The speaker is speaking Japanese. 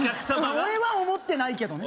俺は思ってないけどね